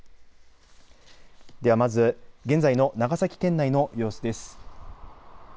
ではまず現在の長崎県内の様子です。